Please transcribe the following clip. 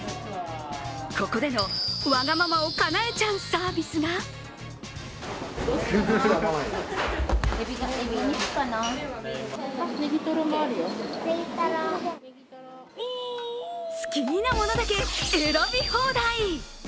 ここでの、わがままをかなえちゃうサービスが好きなものだけ選び放題！